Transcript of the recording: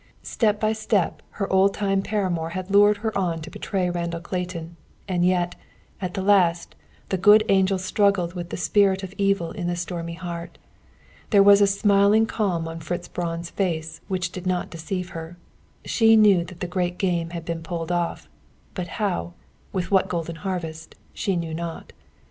Step by step her old time paramour had lured her on to betray Randall Clayton, and yet, at the last, the good angel struggled with the spirit of evil in that stormy heart. There was a smiling calm on Fritz Braun's face which did not deceive her. She knew that the great game had been pulled off. But how with what golden harvest she knew not.